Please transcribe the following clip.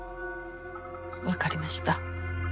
わかりました。